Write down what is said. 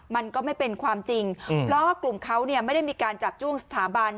มันก็ไม่เป็นความจริงเพราะกลุ่มเขาเนี่ยไม่ได้มีการจับจ้วงสถาบัน